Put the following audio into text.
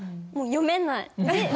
もう読めない。